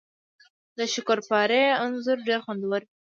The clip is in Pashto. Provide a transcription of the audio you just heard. د شکرپارې انځر ډیر خوندور وي